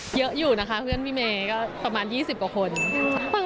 เยอะอยู่นะคะเพื่อนพี่เมย์ก็ประมาณ๒๐กว่าคน